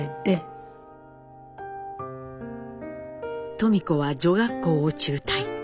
登美子は女学校を中退。